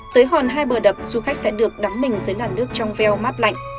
tới hòn hai bờ đập du khách sẽ được đắm mình dưới làn nước trong veo mát lạnh